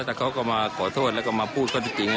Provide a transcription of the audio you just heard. ถ้าเขาก็มาขอโทษแล้วก็มาพูดข้อที่จริง